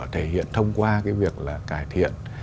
thể hiện thông qua việc cải thiện